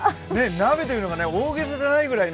鍋というのが大げさじゃないぐらい